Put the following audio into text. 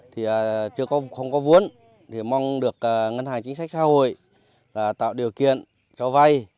thì không có vốn thì mong được ngân hàng chính sách xã hội tạo điều kiện cho vay